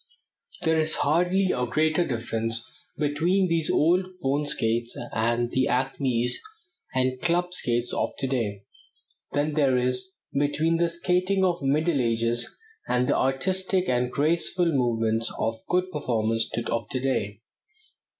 There is hardly a greater difference between these old bone skates and the "acmes" and club skates of to day, than there is between the skating of the Middle Ages and the artistic and graceful movements of good performers of to day.